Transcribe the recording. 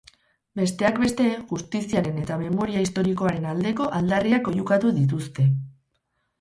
Besteak beste, justiziaren eta memoria historikoaren aldeko aldarriak oihukatu dituzte.